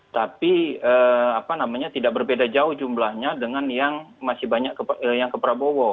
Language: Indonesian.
tapi tidak berbeda jauh jumlahnya dengan yang masih banyak yang ke prabowo